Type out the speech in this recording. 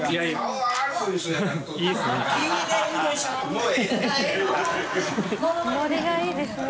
ノリがいいですね